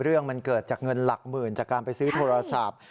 เรื่องมันเกิดจากเงินหลักหมื่นจากการไปซื้อโทรศัพท์